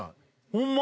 ホンマ？